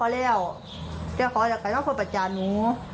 แล้วยังไงตอนนั้นคบกันอยู่